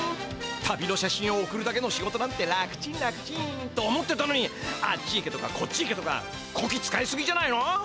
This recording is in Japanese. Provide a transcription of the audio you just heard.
旅の写真を送るだけの仕事なんて楽ちん楽ちん。と思ってたのにあっち行けとかこっち行けとかこき使いすぎじゃないの？